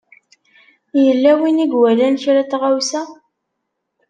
Yella win i iwalan kra n tɣawsa?